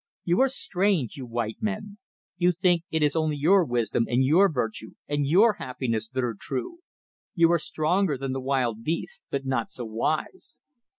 You are strange, you white men. You think it is only your wisdom and your virtue and your happiness that are true. You are stronger than the wild beasts, but not so wise.